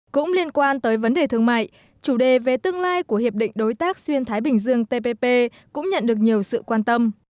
cũng liên quan tới vấn đề thương mại chủ đề về tương lai của hiệp định đối tác xuyên thái bình dương tpp cũng nhận được nhiều sự quan tâm